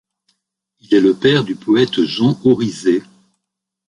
Il est le père du poète Jean Orizet.